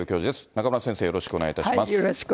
中村先生、よろしくお願いいたします。